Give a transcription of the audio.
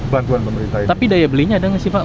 bantuan pemerintah tapi daya belinya ada nggak sih pak